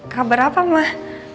kabar apa mah